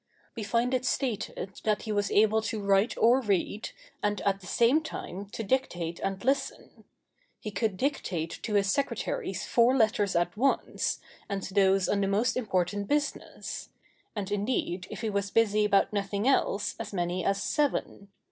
We find it stated that he was able to write or read, and, at the same time, to dictate and listen. He could dictate to his secretaries four letters at once, and those on the most important business; and, indeed, if he was busy about nothing else, as many as seven.